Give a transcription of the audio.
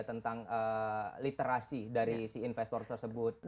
tentang literasi dari si investor tersebut